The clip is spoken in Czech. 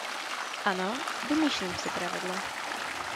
Ano, vymýšlím si pravidla.